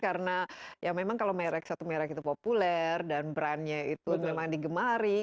karena memang kalau satu merek itu populer dan brandnya itu memang digemari